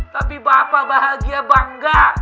tapi bapak bahagia bangga